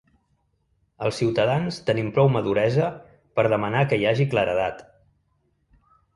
Els ciutadans tenim prou maduresa per demanar que hi hagi claredat.